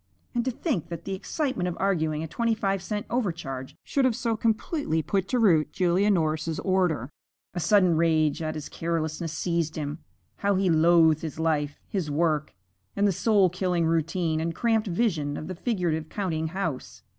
And to think that the excitement of arguing a twenty five cent overcharge should have so completely put to rout Julia Norris's order! A sudden rage at his carelessness seized him. How he loathed his life, his work, and the soul killing routine and cramped vision of the figurative counting house!